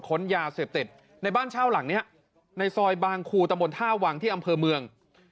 ค้นยาเสพติดในบ้านเช่าหลังนี้ในซอยบางครูตำบลท่าวังที่อำเภอเมือง